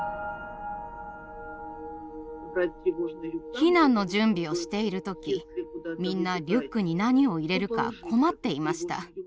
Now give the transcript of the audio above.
避難の準備をしている時みんなリュックに何を入れるか困っていました。